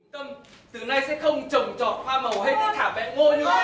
từ nay sẽ không trồng trọt hoa màu hết để thả bẹ ngôi nữa